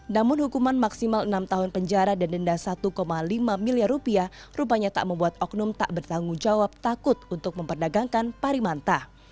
namun hukuman maksimal enam tahun penjara dan denda satu lima miliar rupiah rupanya tak membuat oknum tak bertanggung jawab takut untuk memperdagangkan parimanta